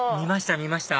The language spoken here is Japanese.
見ました